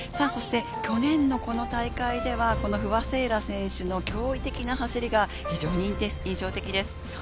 去年のこの大会では不破聖衣来選手の驚異的な走りが非常に印象的です。